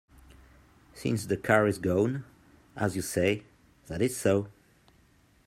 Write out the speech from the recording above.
Since the car is gone, as you say, that is so.